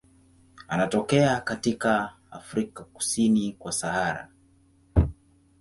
Anatokea katika Afrika kusini kwa Sahara.